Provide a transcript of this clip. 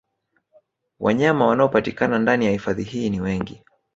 Wanyama wanaopatikana ndani ya hifadhi hii ni wengi